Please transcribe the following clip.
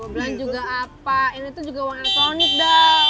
belanja juga apa ini tuh juga uang elektronik dah